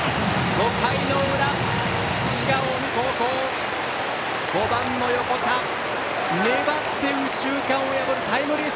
５回の裏滋賀・近江高校、５番の横田粘って右中間を破るタイムリー